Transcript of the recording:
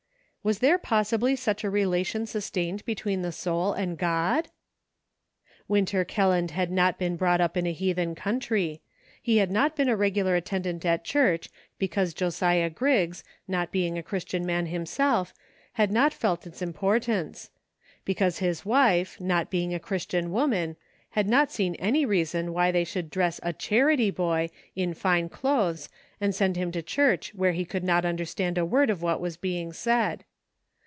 *" Was there possibly such a relation sustained between the soul and God .' Winter Kelland had not been brought up in a heathen country. He had not been a regular attendant at church, because Josiah Griggs, not being a Christian man himself, had not felt its importance ; because his wife, not being a Chris tian woman, had not seen any reason why they should dress a "charity boy" in fine clothes and send him to church where he could not under stand a word of what was being said.